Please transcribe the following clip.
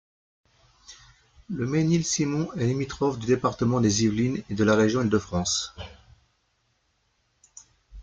Le Mesnil-Simon est limitrophe du département des Yvelines et de la région Île-de-France.